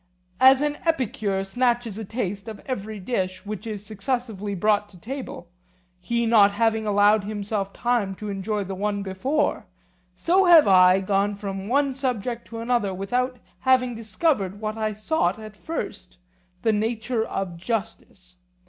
As an epicure snatches a taste of every dish which is successively brought to table, he not having allowed himself time to enjoy the one before, so have I gone from one subject to another without having discovered what I sought at first, the nature of justice.